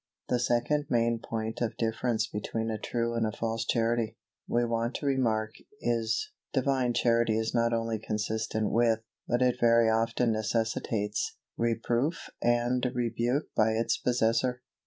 The second main point of difference between a true and a false Charity, we want to remark, is, Divine Charity is not only consistent with, but it very often necessitates, reproof and rebuke by its possessor.